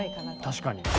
確かに。